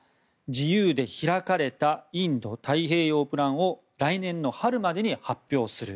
自由で開かれたインド太平洋プランを来年の春までに発表する。